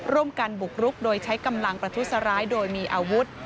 ร่วมกันบุกรุกโดยใช้กำลังประทุษร้ายโดยมีอาวุธ